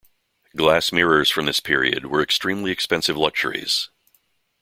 Glass mirrors from this period were extremely expensive luxuries.